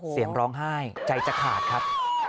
เสียงร้องไห้ใจจะขาดครับ